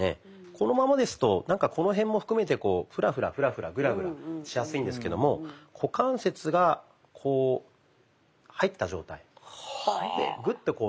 このままですとこの辺も含めてフラフラフラフラグラグラしやすいんですけども股関節がこう入った状態。グッと入れた状態ですね。